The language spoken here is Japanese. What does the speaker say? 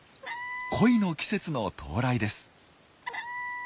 恋の季節の到来です。